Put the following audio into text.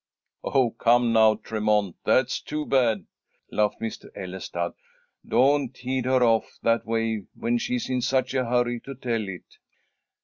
"Oh, come now, Tremont, that's too bad," laughed Mr. Ellestad. "Don't head her off that way when she's in such a hurry to tell it."